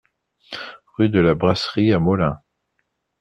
Rue de la Brasserie à Molain